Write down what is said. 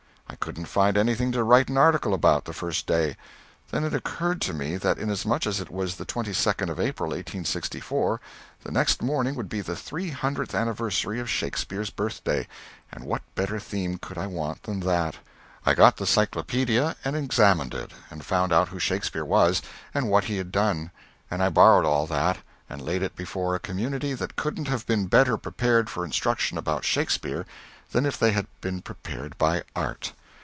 I couldn't find anything to write an article about, the first day. Then it occurred to me that inasmuch as it was the 22nd of April, 1864, the next morning would be the three hundredth anniversary of Shakespeare's birthday and what better theme could I want than that? I got the Cyclopædia and examined it, and found out who Shakespeare was and what he had done, and I borrowed all that and laid it before a community that couldn't have been better prepared for instruction about Shakespeare than if they had been prepared by art.